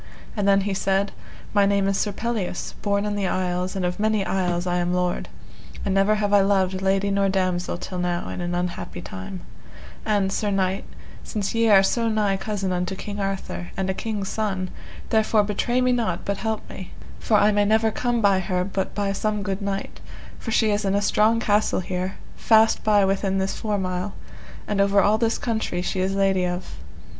And then he said, My name is Sir Pelleas, born in the Isles, and of many isles I am lord, and never have I loved lady nor damosel till now in an unhappy time; and, sir knight, since ye are so nigh cousin unto King Arthur, and a king's son, therefore betray me not but help me, for I may never come by her but by some good knight, for she is in a strong castle here, fast by within this four mile, and over all this country she is lady of.